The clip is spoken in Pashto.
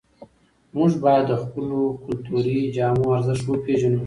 موږ باید د خپلو کلتوري جامو ارزښت وپېژنو.